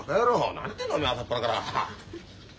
何言ってんだお前朝っぱらから。